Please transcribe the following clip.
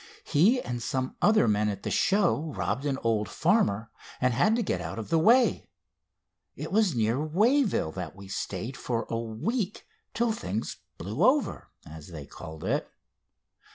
He and some other men at the show robbed an old farmer, and had to get out of the way. It was near Wayville that we stayed for a week, till things 'blew over,' as they called it.